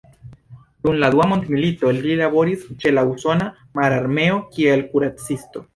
Dum la dua mondmilito, li laboris ĉe la usona mararmeo kiel kuracisto.